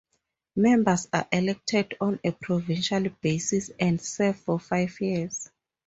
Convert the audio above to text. Members are elected on a provincial basis and serve for five years.